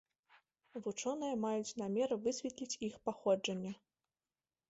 Вучоныя маюць намер высветліць іх паходжанне.